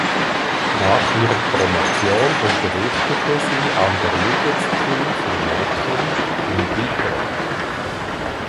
Nach ihrer Promotion unterrichtete sie an der Liggett School für Mädchen in Detroit.